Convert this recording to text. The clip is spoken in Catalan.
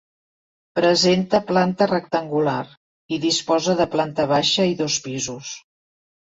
Presenta planta rectangular, i disposa de planta baixa i dos pisos.